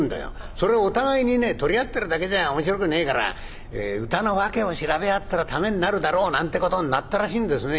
「それをお互いにね取り合ってるだけじゃ面白くねえから歌の訳を調べ合ったらためになるだろうなんてことになったらしいんですね」。